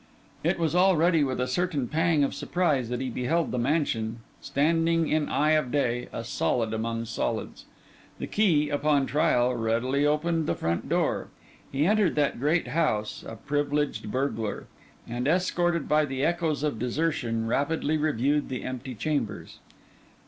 It was already with a certain pang of surprise that he beheld the mansion, standing in the eye of day, a solid among solids. The key, upon trial, readily opened the front door; he entered that great house, a privileged burglar; and, escorted by the echoes of desertion, rapidly reviewed the empty chambers.